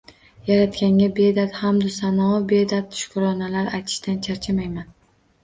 Yaratganga beadad hamdu sanoyu beadad shukronalar aytishdan charchamayman.